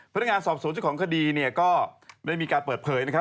พนักงานสอบศูนย์ของคดีก็ได้มีการเปิดเผยนะครับ